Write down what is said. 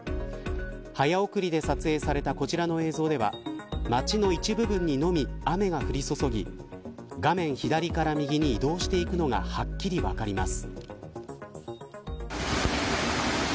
早送りで撮影されたこちらの映像では街の一部分にのみ雨が降り注ぎ画面左から右に移動していくのがはっきり分かります。